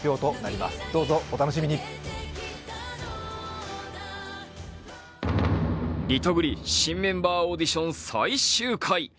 りとぐり新メンバーオーディション最終回。